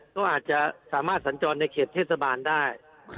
ก็อาจจะสามารถสัญจรในเขตเทศบาลได้